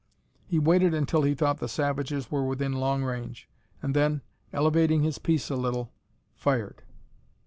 He waited until he thought the savages were within long range, and then, elevating his piece a little, fired.